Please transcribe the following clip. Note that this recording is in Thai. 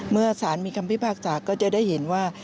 เมื่อสารมีคำพิพากษาก็จะได้เห็นว่า